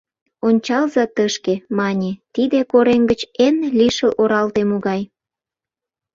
— Ончалза тышке, — мане, — тиде корем гыч эн лишыл оралте могай?